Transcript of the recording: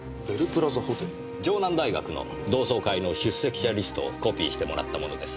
城南大学の同窓会の出席者リストをコピーしてもらったものです。